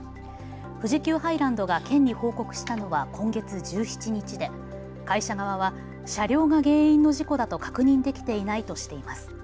富士急ハイランドが県に報告したのは今月１７日で会社側は車両が原因の事故だと確認できていないとしています。